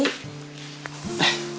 sampai jumpa lagi